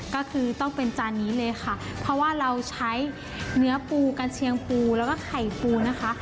ก็คือต้องเป็นจานนี้เลยค่ะเพราะว่าเราใช้เนื้อปูกันเชียงปูแล้วก็ไข่ปูนะคะ